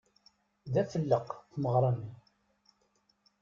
D afelleq tmeɣṛa-nni.